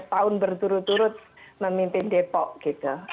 dua belas tahun berturut turut memimpin depok gitu